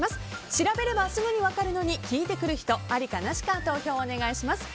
調べればすぐに分かるのに聞いてくる人ありかなしか投票をお願いします。